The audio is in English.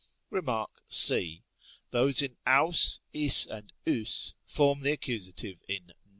| Rem. c. Those in avs, ἰς and vs form the accusative inv.